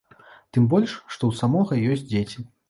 Тым больш, што у самога ёсць дзеці.